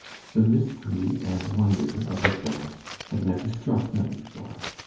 The mystery and wonder of the forest had never struck him before.